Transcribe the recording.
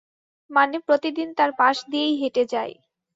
মানে, প্রতিদিন তার পাশ দিয়েই হেঁটে যাই।